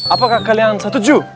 apakah kalian setuju